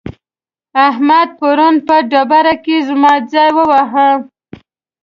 احمد پرون په ډبره کې زما ځای وواهه.